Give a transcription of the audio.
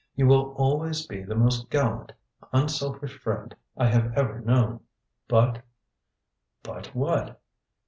"You will always be the most gallant, unselfish friend I have ever known. But " "But what?"